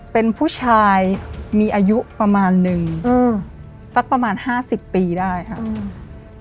เป็นผู้ชายมีอายุประมาณหนึ่งสักประมาณ๕๐ปีได้ค่ะ